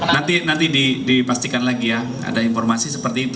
nanti dipastikan lagi ya ada informasi seperti itu